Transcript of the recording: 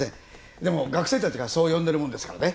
でも学生たちがそう呼んでるもんですからね。